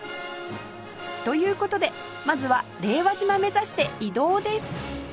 という事でまずは令和島目指して移動です！